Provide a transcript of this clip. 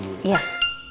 terima kasih mas